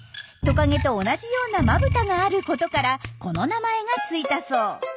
トカゲと同じようなまぶたがあることからこの名前が付いたそう。